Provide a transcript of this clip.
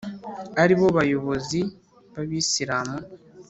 ari bo bayobozi b’abisilamu.